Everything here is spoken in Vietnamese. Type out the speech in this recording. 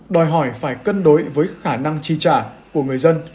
đòi hỏi phải cân đối với khả năng chi trả của người dân